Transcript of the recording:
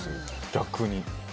逆に。